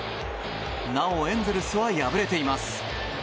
なおエンゼルスは敗れています。